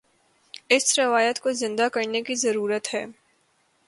اس روایت کو زندہ کرنے کی ضرورت ہے۔